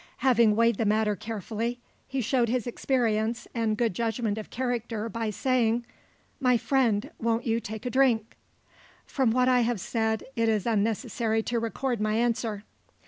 Having weighed the matter carefully, he showed his experience and good judgment of character by saying: "My friend, won't you take a drink?" From what I have said, it is unnecessary to record my answer.